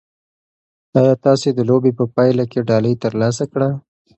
ایا تاسي د لوبې په پایله کې ډالۍ ترلاسه کړه؟